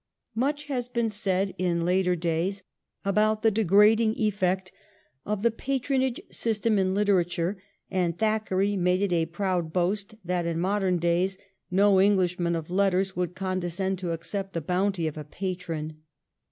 Much has been said in later days about the degrading effect of the patronage system in literature, and Thackeray made it a proud boast that in modern days no EngUshman of letters would condescend to accept the bounty of a patron.